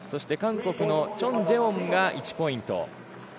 韓国のチョン・ジェウォンが１ポイント。